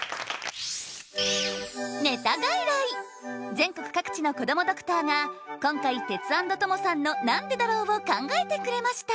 全国各地のこどもドクターが今回テツａｎｄトモさんのなんでだろうを考えてくれました